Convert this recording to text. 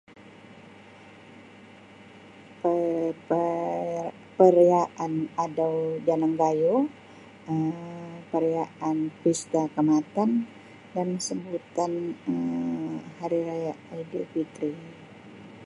Per-per perayaan adau janang gayuh Um perayaan pesta kaamatan dan sambutan Um hari raya aidilfitri.